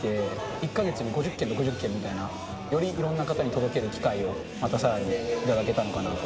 １か月に５０件、６０件みたいな、よりいろんな方に届ける機会を、またさらに頂けたのかなと。